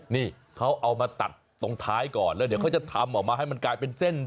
นี่เขาเอามาตัดตรงท้ายก่อนแล้วเดี๋ยวเขาจะทำออกมาให้มันกลายเป็นเส้น